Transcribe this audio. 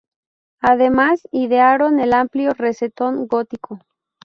Además, idearon el amplio rosetón gótico.